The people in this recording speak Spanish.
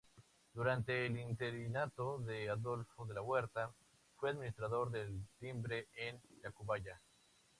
Durante el interinato de Adolfo de la Huerta, fue administrador del Timbre en Tacubaya.